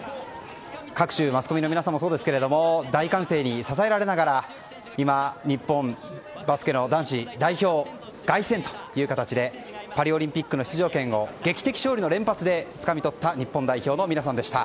各種マスコミの皆様もそうですが大歓声に支えられながら今、日本バスケ男子代表凱旋という形でパリオリンピックの出場権を劇的勝利の連発でつかみとった日本代表の皆さんでした。